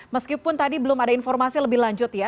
meskipun tadi belum ada informasi lebih lanjut ya